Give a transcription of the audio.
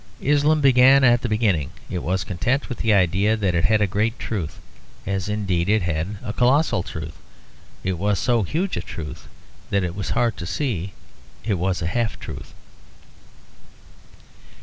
Islam began at the beginning; it was content with the idea that it had a great truth; as indeed it had a colossal truth. It was so huge a truth that it was hard to see it was a half truth.